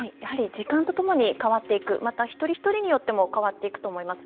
時間と共に変わっていくまた、一人一人によっても変わっていくと思います。